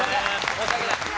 申し訳ない。